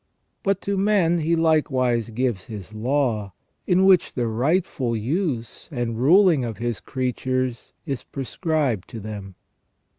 But to men He likewise gives His law, in which the rightful use and ruling of His creatures is prescribed to them.